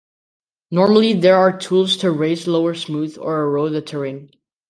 Normally there are tools to raise, lower, smooth or erode the terrain.